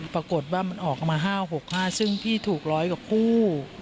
ปรากฏว่ามันออกมา๕๖๕ซึ่งพี่ถูก๑๐๐กว่าคู่